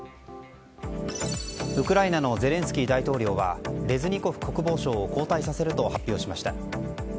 ウクライナのゼレンスキー大統領はレズニコフ国防相を交代させると発表しました。